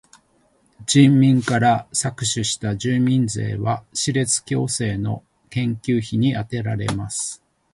人民から搾取した住民税は歯列矯正の研究費にあてられます。